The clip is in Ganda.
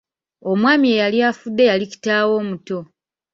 Omwami eyali afudde yali kitaawe omuto.